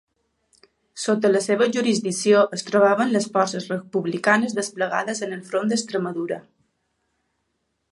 Sota la seva jurisdicció es trobaven les forces republicanes desplegades en el front d'Extremadura.